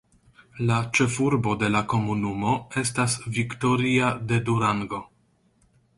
La ĉefurbo de la komunumo estas Victoria de Durango.